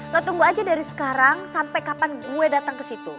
lo tunggu aja dari sekarang sampai kapan gue datang ke situ